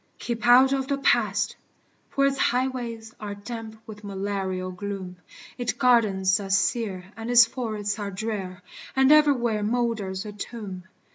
Keep out of the Past! for its highways Are damp with malarial gloom; Its gardens are sere and its forests are drear. And everywhere molders a tomb.